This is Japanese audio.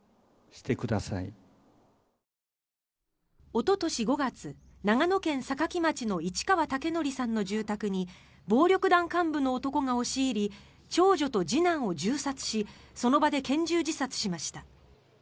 おととし５月、長野県坂城町の市川武範さんの住宅に暴力団幹部の男が押し入り長女と次男を銃殺しその場で拳銃自殺しました。